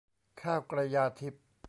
ข้าวกระยาทิพย์